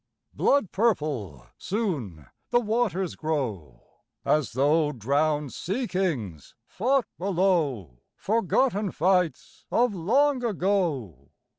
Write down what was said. Blood purple soon the waters grow, As though drowned sea kings fought below Forgotten fights of long ago.